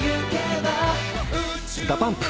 ＤＡＰＵＭＰ。